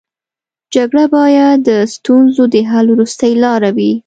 جګړه باید د ستونزو د حل وروستۍ لاره وي